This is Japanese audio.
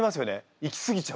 いき過ぎちゃうと。